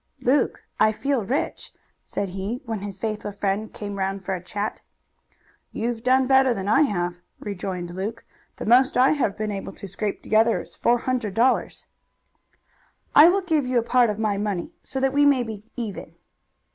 "Luke, I feel rich," said he, when his faithful friend came round for a chat. "You've done better than I have," rejoined Luke. "The most I have been able to scrape together is four hundred dollars." "I will give you a part of my money, so that we may be even."